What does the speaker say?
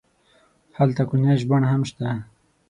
هلته کوچنی ژوبڼ هم شته.